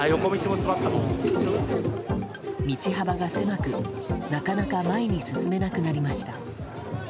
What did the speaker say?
道幅が狭く、なかなか前に進めなくなりました。